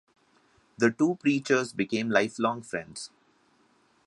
The two preachers became lifelong friends.